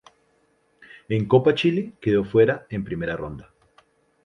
En Copa Chile quedó fuera en primera ronda.